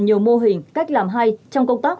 nhiều mô hình cách làm hay trong công tác